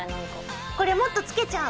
これもっとつけちゃう？